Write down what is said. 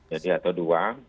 jadi atau dua